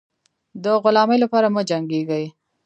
د غلامۍ لپاره مه جنګېږی.